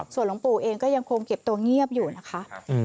ส่วนหลวงปู่เองก็ยังคงเก็บตัวเงียบอยู่นะคะ